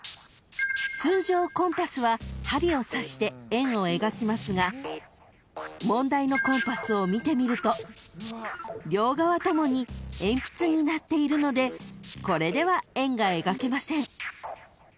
［通常コンパスは針をさして円を描きますが問題のコンパスを見てみると両側ともに鉛筆になっているのでこれでは円が描けません］